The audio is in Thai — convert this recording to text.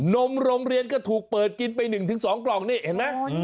นมโรงเรียนก็ถูกเปิดกินไป๑๒กล่องนี่เห็นไหม